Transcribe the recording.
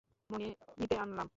মণি নিতে আনলাম।